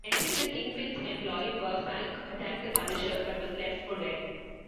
Entering the Kingpin's employ, Burbank attacked the Punisher, but was left for dead.